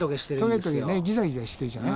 トゲトゲねギザギザしてるじゃない？